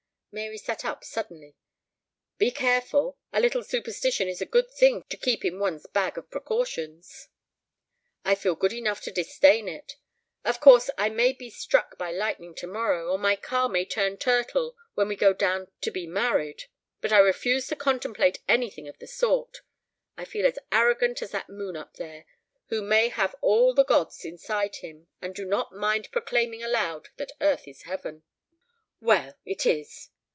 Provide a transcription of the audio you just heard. Mary sat up suddenly. "Be careful. A little superstition is a good thing to keep in one's bag of precautions." "I feel good enough to disdain it. Of course I may be struck by lightning tomorrow, or the car may turn turtle when we go down to be married, but I refuse to contemplate anything of the sort. I feel as arrogant as that moon up there, who may have all the gods inside him, and do not mind proclaiming aloud that earth is heaven." "Well it is."